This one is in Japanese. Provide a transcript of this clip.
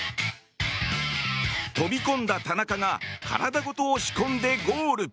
飛び込んだ田中が体ごと押し込んでゴール。